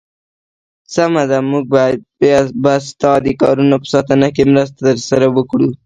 سمه ده، موږ به ستا د کاروانونو په ساتنه کې مرسته درسره وکړو.